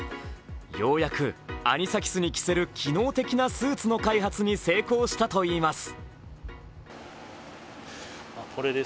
ようやくアニサキスに着せる機能的なスーツの開発に成功したといいます。